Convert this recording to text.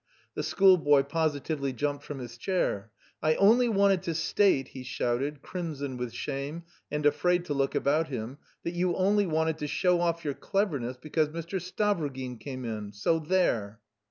The schoolboy positively jumped from his chair. "I only wanted to state," he shouted, crimson with shame and afraid to look about him, "that you only wanted to show off your cleverness because Mr. Stavrogin came in so there!"